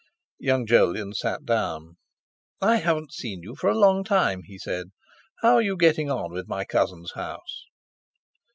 Young Jolyon sat down. "I haven't seen you for a long time," he said. "How are you getting on with my cousin's house?"